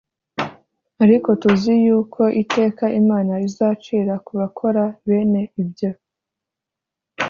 ariko tuzi yuko iteka imana izacira ku bakora bene ibyo